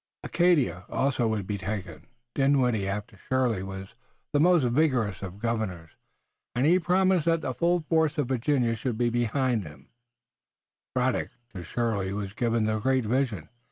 Acadia also would be taken. Dinwiddie after Shirley was the most vigorous of the governors, and he promised that the full force of Virginia should be behind Braddock. But to Shirley was given the great vision.